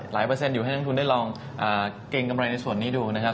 เปอร์เซ็นอยู่ให้นักทุนได้ลองเกรงกำไรในส่วนนี้ดูนะครับ